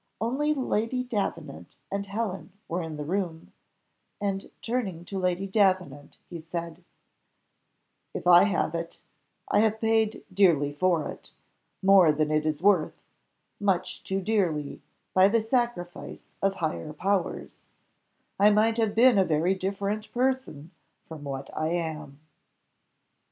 Only Lady Davenant and Helen were in the room, and turning to Lady Davenant he said, "If I have it, I have paid dearly for it, more than it is worth, much too dearly, by the sacrifice of higher powers; I might have been a very different person from what I am."